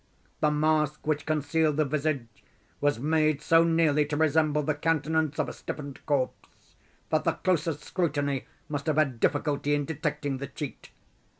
The mask which concealed the visage was made so nearly to resemble the countenance of a stiffened corpse that the closest scrutiny must have had difficulty in detecting the cheat.